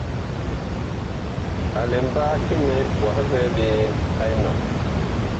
A lɛ mbaki nɛ wah vɛɛ ɓe a enɔŋ ?